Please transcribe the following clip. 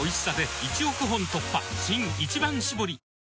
新「一番搾り」